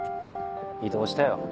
異動したよ。